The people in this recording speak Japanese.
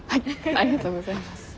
ありがとうございます。